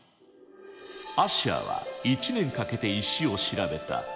アッシャーは１年かけて石を調べた。